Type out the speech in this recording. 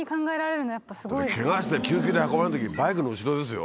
ケガして救急で運ばれる時バイクの後ろですよ。